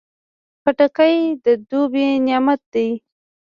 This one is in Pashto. خټکی د دوبی نعمت دی.